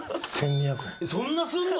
そんなすんの？